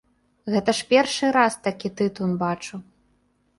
Гэта ж першы раз такі тытун бачу.